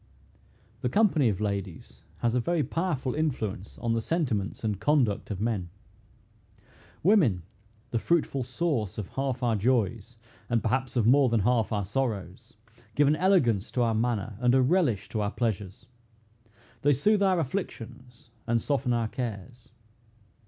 The company of ladies has a very powerful influence on the sentiments and conduct of men. Women, the fruitful source of half our joys, and perhaps of more than half our sorrows, give an elegance to our manner, and a relish to our pleasures. They soothe our afflictions, and soften our cares.